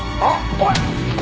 おい！